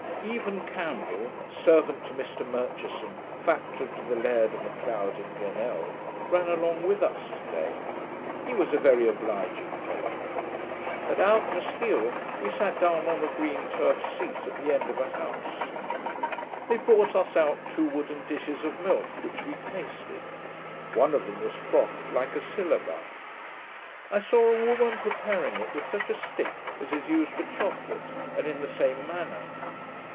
Evan Campbell, servant to Mr Murchison, factor to the Laird of Macleod in Glenelg, ran along with us to day. He was a very obliging fellow. At Auchnasheal, we sat down on a green turf seat at the end of a house; they brought us out two wooden dishes of milk, which we tasted. One of them was frothed like a syllabub. I saw a woman preparing it with such a stick as is used for chocolate, and in the same manner.